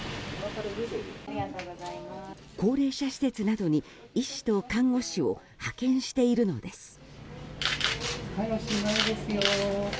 高齢者施設などに医師と看護師を派遣しているのです。